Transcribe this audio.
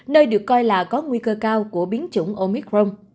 nơi được coi là có nguy cơ cao của biến chủng omicron